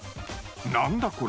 ［何だ？